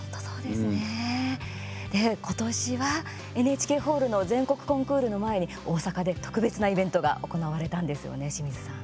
で、今年はＮＨＫホールの全国コンクールの前に大阪で特別なイベントが行われたんですよね、清水さん。